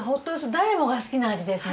誰もが好きな味ですね。